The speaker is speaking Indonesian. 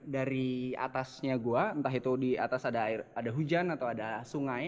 dari atasnya gua entah itu di atas ada hujan atau ada sungai